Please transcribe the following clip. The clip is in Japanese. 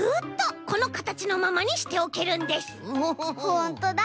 ほんとだ！